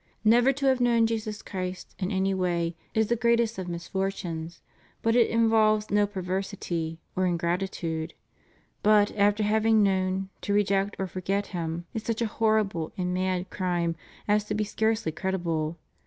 Never to have known Jesus Christ in any way is the greatest of misfortunes, but it involves no perversity or ingratitude. But, after having known, to reject or forget Him, is such a horrible and mad crime as to be scarcely credible.